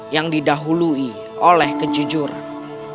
yang didahului oleh kejujuran